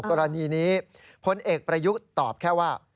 กรณีนี้พลเอกประยุทธ์ตอบแค่ว่า